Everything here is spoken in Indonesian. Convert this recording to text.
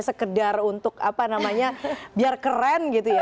sekedar untuk apa namanya biar keren gitu ya